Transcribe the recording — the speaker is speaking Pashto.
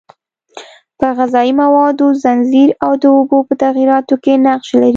په غذایي موادو ځنځیر او د اوبو په تغییراتو کې نقش لري.